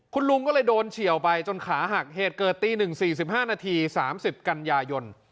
คุณลุงก็เลยโดนเฉียวไปจนขาหักเหตุเกิดตี๑๔๕นาที๓๐กันยายน